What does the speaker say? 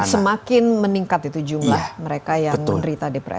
dan semakin meningkat itu jumlah mereka yang menderita depresi